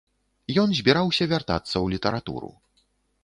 Ён збіраўся вяртацца ў літаратуру.